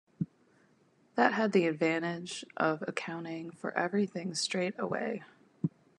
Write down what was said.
That had the advantage of accounting for everything straight away.